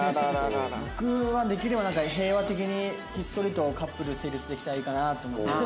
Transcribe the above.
僕はできればなんか平和的にひっそりとカップル成立できたらいいかなと思って。